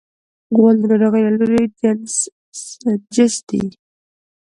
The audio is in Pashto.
غول د ناروغۍ د لوری سنجش دی.